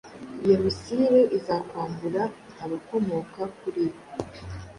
Iyo misile izakwambura abakomoka kuri bo